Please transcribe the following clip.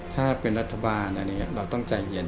ถ้าเป็นรัฐบาลเนี่ยเราต้องใจเย็น